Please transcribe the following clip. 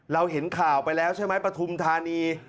เห็นข่าวไปแล้วใช่ไหมปฐุมธานี